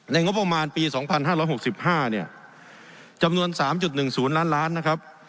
ในงบประมาณปีสองพันห้าร้อยหกสิบห้าเนี่ยจำนวนสามจุดหนึ่งศูนย์ล้านล้านนะครับ